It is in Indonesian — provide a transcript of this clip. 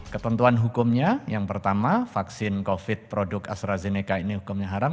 ketentuan hukumnya yang pertama vaksin covid produk astrazeneca ini hukumnya haram